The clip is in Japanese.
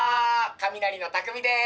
カミナリのたくみです！